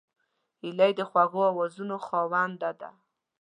هیلۍ د خوږو آوازونو خاوند ده